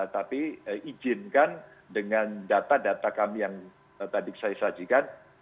tapi izinkan dengan data data kami yang tadi saya sajikan